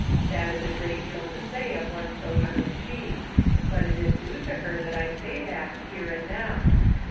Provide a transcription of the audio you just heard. That is a great deal to say of one so young as she ; but it is. due to her that I say it, here and now.